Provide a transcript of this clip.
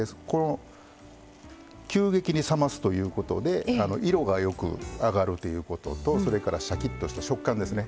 急激に冷ますということで色がよくあがるということとそれからシャキッとした食感ですね。